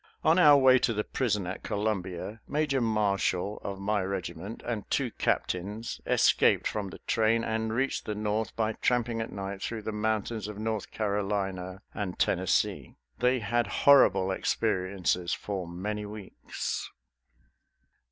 On our way to the prison at Columbia Major Marshall of my regiment and two captains escaped from the train and reached the North by tramping at night through the mountains of North Carolina and Tennessee. They had horrible experiences for many weeks.